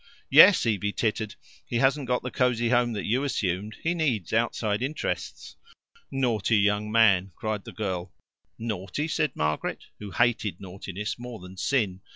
"Yes." Evie tittered. "He hasn't got the cosy home that you assumed. He needs outside interests." "Naughty young man!" cried the girl. "Naughty?" said Margaret, who hated naughtiness more than sin.